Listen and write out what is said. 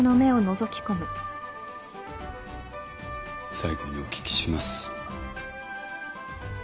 最後にお聞きします。